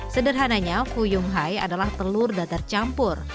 sederhananya fuyung hai adalah telur datar campur